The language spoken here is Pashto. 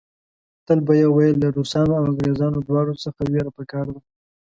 تل به یې ویل له روسانو او انګریزانو دواړو څخه وېره په کار ده.